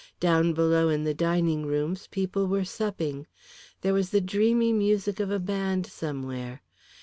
Down below in the dining rooms people were supping, there was the dreamy music of a band somewhere.